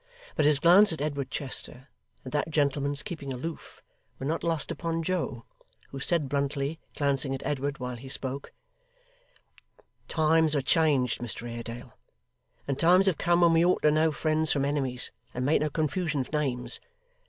But his glance at Edward Chester, and that gentleman's keeping aloof, were not lost upon Joe, who said bluntly, glancing at Edward while he spoke: 'Times are changed, Mr Haredale, and times have come when we ought to know friends from enemies, and make no confusion of names.